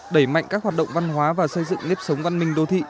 đẩy mạnh các hoạt động văn hóa và xây dựng nếp sống văn minh đô thị